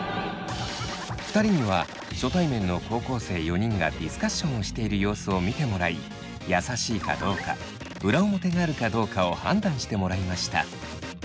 ２人には初対面の高校生４人がディスカッションをしている様子を見てもらい優しいかどうか裏表があるかどうかを判断してもらいました。